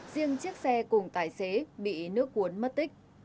riêng chiếc xe cùng tài xế bị nứt